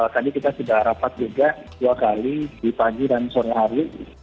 tadi kita sudah rapat juga dua kali di pagi dan sore hari